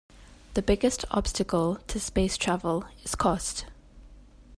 The biggest obstacle to space travel is cost.